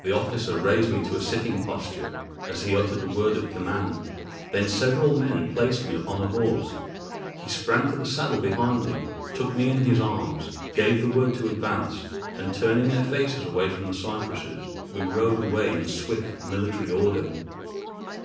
The officer raised me to a sitting posture, as he uttered a word of command; then several men placed me upon a horse. He sprang to the saddle behind me, took me in his arms, gave the word to advance; and, turning our faces away from the cypresses, we rode away in swift, military order.